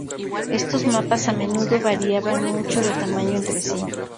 Estos mapas a menudo variaban mucho de tamaño entre sí.